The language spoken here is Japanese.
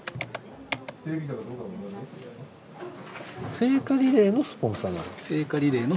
聖火リレーのスポンサーなの？